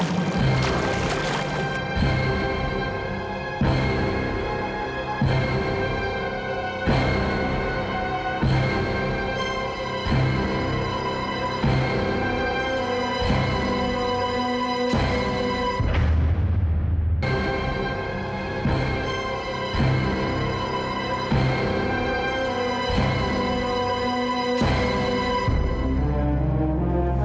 amira kamu dengerin aku